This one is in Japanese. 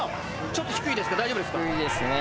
ちょっと低いですね。